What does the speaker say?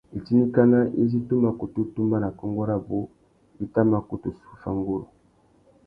Itindikana izí tu mà kutu tumba nà kônkô rabú i tà mà kutu zu fá nguru.